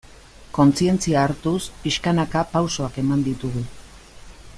Kontzientzia hartuz, pixkanaka pausoak eman ditugu.